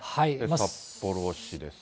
札幌市ですが。